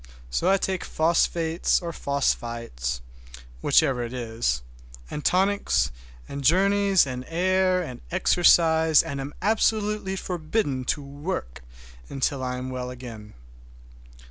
So I take phosphates or phosphites—whichever it is, and tonics, and journeys, and air, and exercise, and am absolutely forbidden to "work" until I am well again.